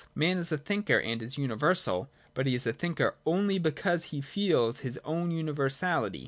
Man is a thinker, and is universal : but he is a thinker only because he feels his own universality.